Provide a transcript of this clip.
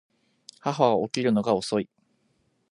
母は起きるのが遅い